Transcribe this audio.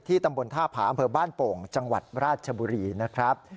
ตำบลท่าผาอำเภอบ้านโป่งจังหวัดราชบุรีนะครับ